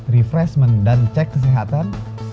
refreshment dan cek kesehatan